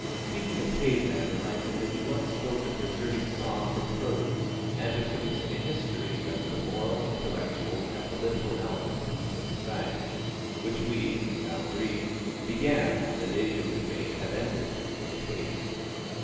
Speaking of cave man reminds me that you once spoke of deserting song for prose, and of producing a history of the moral, intellectual, and political elements in human society, which, we now agree, began, as Asia would fain have ended, in a cave.